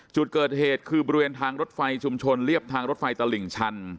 จุดเกิดเหตุคือบริเวณทางรถไฟชุมชนเรียบทางรถไฟตลิ่งชัน